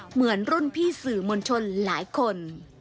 เหมือนรุ่นพี่สื่อมวลชนหลายคน